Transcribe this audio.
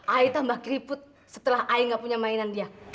ayo tambah keriput setelah ayah gak punya mainan dia